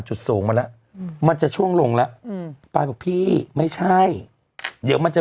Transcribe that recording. จุดสูงมาแล้วมันจะช่วงลงแล้วอืมปายบอกพี่ไม่ใช่เดี๋ยวมันจะ